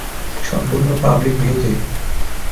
সম্পূর্ণ পাবলিক ভিউতে।